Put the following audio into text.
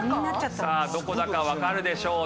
さあどこだかわかるでしょうね。